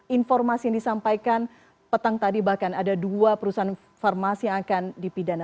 informasi yang disampaikan petang tadi bahkan ada dua perusahaan farmasi yang akan dipidana